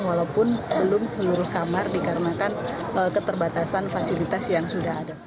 walaupun belum seluruh kamar dikarenakan keterbatasan fasilitas yang sudah ada